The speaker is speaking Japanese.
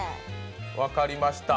分かりました。